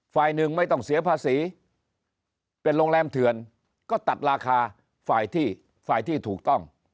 ฝ่ายหนึ่งไม่ต้องเสียภาษีเป็นโรงแรมเถื่อนก็ตัดราคาฝ่ายที่ฝ่ายที่ถูกต้อง